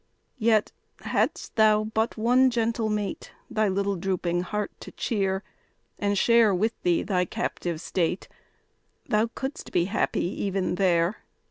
Yet, hadst thou but one gentle mate Thy little drooping heart to cheer, And share with thee thy captive state, Thou couldst be happy even there.